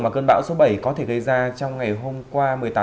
mà cơn bão số bảy có thể gây ra